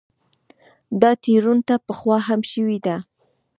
دا تېروتنه پخوا هم شوې ده.